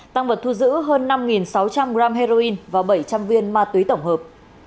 tăng vật thu giữ hơn năm sáu trăm linh g heroin và bảy trăm linh viên ma túy tổng hợp